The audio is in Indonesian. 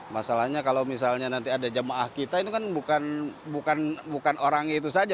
masalahnya kalau misalnya nanti ada jemaah kita itu kan bukan orang itu saja